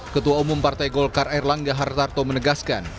ketua umum partai golkar erlangga hartarto menegaskan